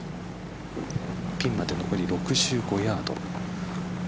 ピンまで残り６５ヤード。